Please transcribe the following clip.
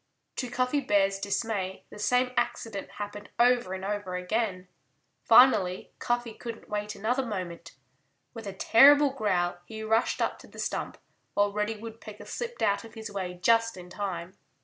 To Cuffy Bear's dismay the same accident happened over and over again. Finally Cuffy couldn't wait another moment. With a terrible growl he rushed up to the stump, while Reddy Woodpecker slipped out of his way just in time.